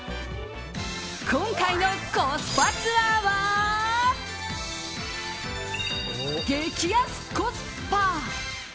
今回のコスパツアーは激安コスパ。